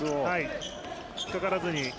引っかからずに。